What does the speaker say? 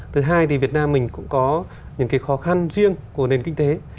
thứ hai thì việt nam mình cũng có những cái khó khăn riêng của nền kinh tế